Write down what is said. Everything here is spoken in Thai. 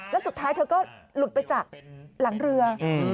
แล้วสุดท้ายเธอก็หลุดไปจากหลังเรือ